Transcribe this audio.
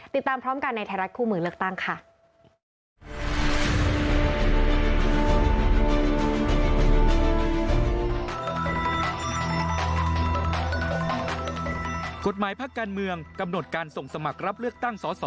ติดตามพร้อมกันในไทยรัฐคู่มือเลือกตั้งค่ะ